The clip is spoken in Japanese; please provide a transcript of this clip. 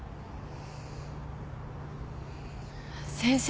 先生